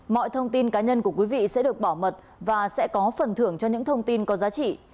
mọi thông tin cá nhân của quý vị sẽ được bảo mật và sẽ có phần thưởng cho những thông tin có giá trị